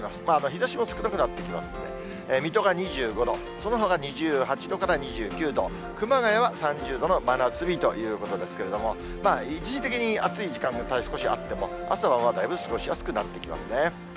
日ざしも少なくなってきますので、水戸が２５度、そのほか２８度から２９度、熊谷は３０度の真夏日ということですけれども、一時的に暑い時間が少しあっても、朝はだいぶ過ごしやすくなってきますね。